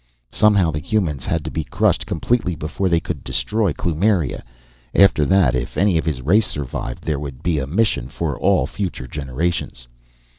Somehow, the humans had to be crushed completely before they could destroy Kloomiria. After that, if any of his race survived, there would be a mission for all future generations.